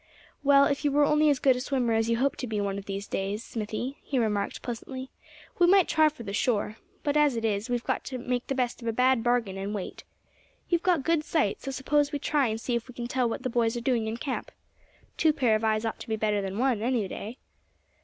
"Well, if you were only as good a swimmer as you hope to be one of these days, Smithy," he remarked, pleasantly, "we might try for the shore. But as it is, we've got to make the best of a bad bargain, and wait. You've got good sight, so suppose we try and see if we can tell what the boys are doing in camp. Two pair of eyes ought to be better than one any day."